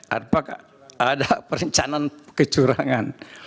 apakah ada perencanaan kecurangan